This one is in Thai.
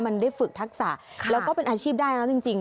มันได้ฝึกทักษะแล้วก็เป็นอาชีพได้แล้วจริง